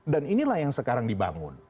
dan inilah yang sekarang dibangun